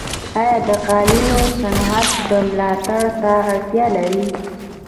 آیا د قالینو صنعت ملاتړ ته اړتیا لري؟